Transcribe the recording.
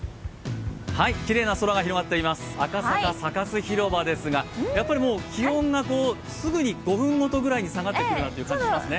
きれいな空が広がっています、赤坂サカス広場ですが、気温がすぐに５分ごとに下がってくるなという感じがしますね。